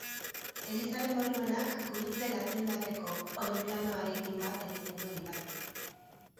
Elizaren bolumenak gurutze latindarreko oinplanoarekin bat egiten du iparraldean.